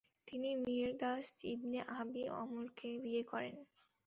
তিনি Mirdas ibn Abi আমরকে বিয়ে করেন।